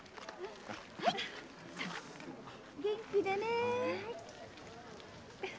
元気でね。